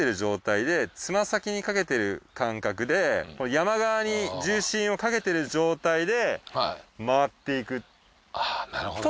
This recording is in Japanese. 山側に重心をかけている状態で回っていくと。